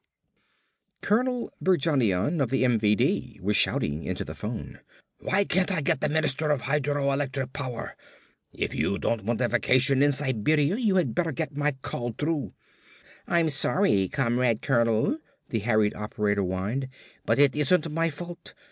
Colonel Berjanian of the MVD was shouting into the phone. "Why can't I get the Minister of Hydroelectric Power? If you don't want a vacation in Siberia, you had better get my call through!" "I'm sorry, Comrade Colonel," the harried operator whined, "but it isn't my fault.